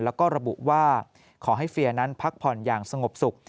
แล้วก็ระบุว่าขอให้เฟียนั้นพักผ่อนอย่างสงบสุข